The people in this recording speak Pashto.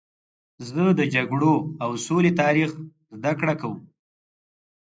زه د جګړو او سولې تاریخ زدهکړه کوم.